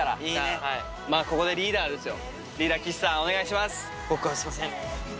ここでリーダーですよ。